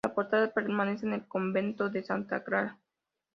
La portada permanece en el convento de Santa Clara.